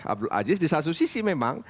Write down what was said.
abdul aziz di satu sisi memang